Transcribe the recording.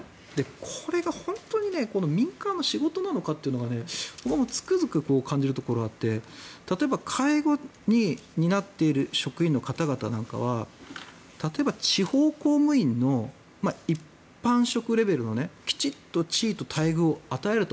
これが本当に民間の仕事なのかって僕はつくづく感じるところがあって例えば、介護を担っている職員の方々なんかは例えば地方公務員の一般職レベルのきちんと地位と待遇を与えると。